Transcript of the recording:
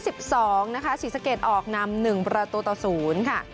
ศรีสะเกดออกนำ๑ประตูต่อศูนย์